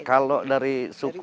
kalau dari suku